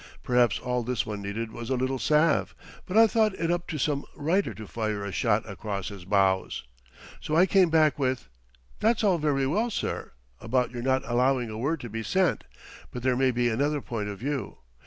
Perhaps all this one needed was a little salve; but I thought it up to some writer to fire a shot across his bows. So I came back with: "That's all very well, sir, about your not allowing a word to be sent, but there may be another point of view.